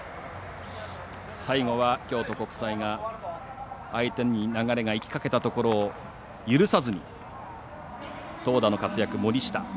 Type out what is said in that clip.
最後は京都国際が相手に流れがいきかけたところを許さずに、投打の活躍、森下。